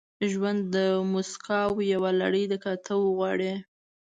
• ژوند د موسکاو یوه لړۍ ده، که ته وغواړې.